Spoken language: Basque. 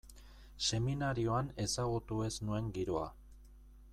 Seminarioan ezagutu ez nuen giroa.